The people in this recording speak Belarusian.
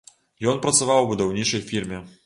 Ён працаваў у будаўнічай фірме.